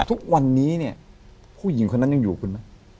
ทุกวันนี้เนี่ยผู้หญิงคนนั้นยังอยู่กับคุณไหม